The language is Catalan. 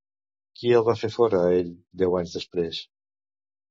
Qui el va fer fora a ell deu anys després?